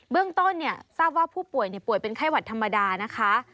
เรื่องต้นทราบว่าผู้ป่วยป่วยเป็นไข้หวัดธรรมดานะคะ